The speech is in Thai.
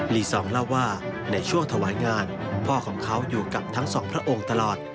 ลีซองเล่าว่าในช่วงถวายงานพ่อของเขาอยู่กับทั้งสองพระองค์ตลอด